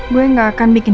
gue gak akan bikin